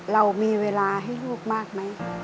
เรามีเวลาให้ลูกมากไหม